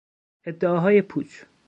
ادعاهای پوچ